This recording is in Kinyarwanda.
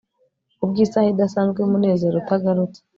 Kubwisaha idasanzwe yumunezero utagarutse